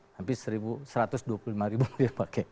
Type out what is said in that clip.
hampir satu ratus dua puluh lima ribu dia pakai